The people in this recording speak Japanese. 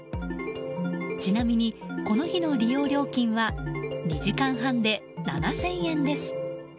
ちなみに、この日の利用料金は２時間半で７０００円です。